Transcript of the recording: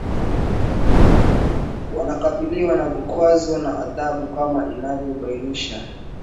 wanakabiliwa na vikwazo na adhabu kama inavyo bainisha